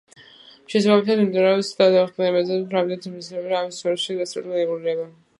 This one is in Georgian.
შესაბამისად, მიმდინარეობს დებატები იმაზე, თუ რამდენად მიზანშეწონილია ამ სფეროს სპეციალური რეგულირება.